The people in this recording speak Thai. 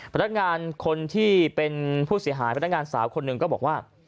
พนักงานคนที่เป็นผู้เสียหายพนักงานสาวคนหนึ่งก็บอกว่า